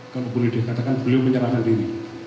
kalau boleh dikatakan beliau menyerahkan diri